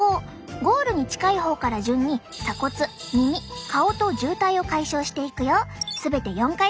ゴールに近い方から順に鎖骨耳顔と渋滞を解消していくよ。